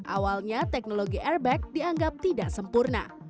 awalnya teknologi airbag dianggap tidak sempurna